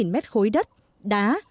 ba mươi chín mét khối đất đá